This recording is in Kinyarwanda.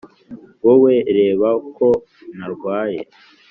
wowe, reba ko narwaye.